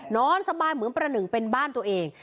นอนสบายเหมือนประหนึ่งเป็นบ้านตัวเอง